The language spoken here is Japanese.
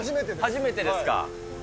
初めてですか？